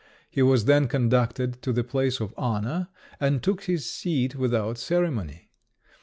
He was then conducted to the place of honour, and took his seat without ceremony.